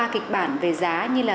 ba kịch bản về giá như là